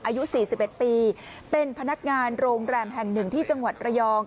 อายุ๔๑ปีเป็นพนักงานโรงแรมแห่งหนึ่งที่จังหวัดระยอง